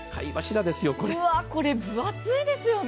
これ、分厚いですよね。